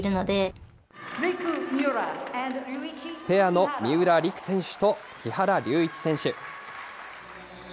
ペアの三浦璃来選手と木原龍一選手。